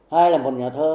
hay là một nhà thơ